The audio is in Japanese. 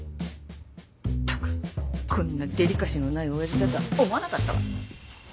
⁉ったくこんなデリカシーのない親父だと思わなかったわ。